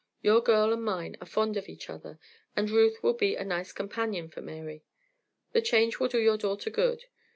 Your girl and mine are fond of each other, and Ruth will be a nice companion for Mary. The change will do your daughter good.